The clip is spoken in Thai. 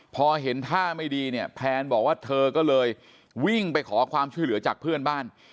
พอเห็นท่าไม่ดีเนี่ยแพนบอกว่าเธอก็เลยวิ่งไปขอความช่วยเหลือจากเพื่อนบ้าน